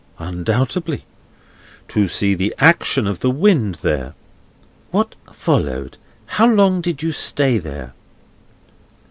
"Undoubtedly. To see the action of the wind there." "What followed? How long did you stay there?"